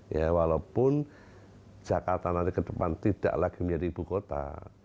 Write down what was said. ya walaupun jakarta nanti kedepan tidak lagi menjadi ibukota